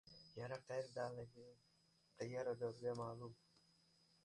• Yara qayerdaligi yaradorga ma’lum.